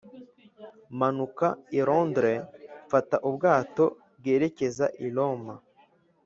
manuka i londres mfata ubwato bwerekeza i roma